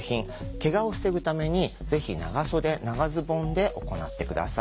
けがを防ぐためにぜひ長袖・長ズボンで行って下さい。